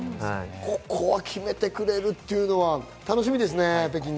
ここは決めてくれるっていうのは楽しみですね、北京ね。